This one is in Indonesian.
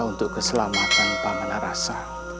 untuk keselamatan pamanah rasa